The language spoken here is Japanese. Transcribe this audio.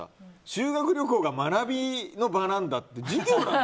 修学旅行が学びの場なんだって。